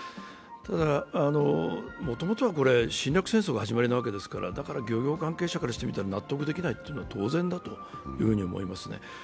ただ、もともとは侵略戦争が始まりなわけですからだから漁業関係者からしてみたら納得できないというのは当然だと思いますね。